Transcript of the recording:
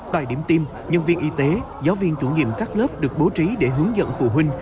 tại điểm tiêm nhân viên y tế giáo viên chủ nhiệm các lớp được bố trí để hướng dẫn phụ huynh